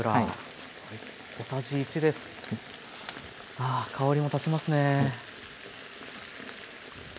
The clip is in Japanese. あ香りも立ちますね。